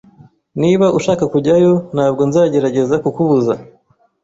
Niba ushaka kujyayo, ntabwo nzagerageza kukubuza.